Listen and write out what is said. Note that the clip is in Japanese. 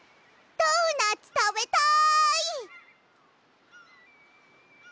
ドーナツたべたい！